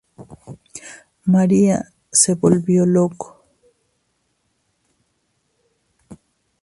María se volvió loco.